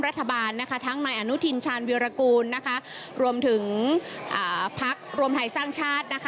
รัฐบาลนะคะทั้งนายอนุทินชาญวิรากูลรวมถึงพักรวมไทยสร้างชาตินะคะ